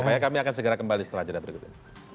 apanya kami akan segera kembali setelah cerita berikutnya